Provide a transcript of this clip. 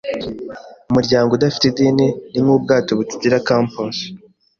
Umuryango udafite idini ni nkubwato butagira compas.